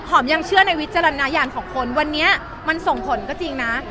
ยังเชื่อในวิจารณญาณของคนวันนี้มันส่งผลก็จริงนะ